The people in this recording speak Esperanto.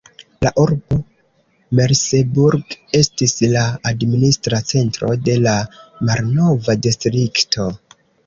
La urbo Merseburg estis la administra centro de la malnova distrikto.